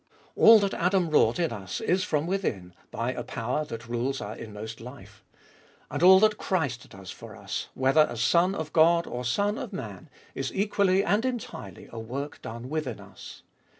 All that Adam wrought in us is from within, by a power that rules our inmost life. And all that Christ does for us, whether as Son of God or Son of Man, is equally and entirely a work done within us.